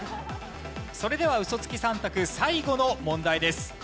それではウソつき３択最後の問題です。